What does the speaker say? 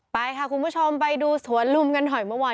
ไปค่ะคุณผู้ชมไปดูสวนลุมกันหน่อยเมื่อวาน